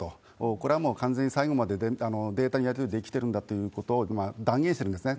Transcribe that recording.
これはもう完全に最後までデータで出来ているんだということを断言しているんですね。